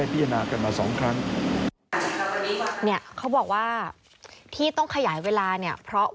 เอาสมบูรณ์เนาะ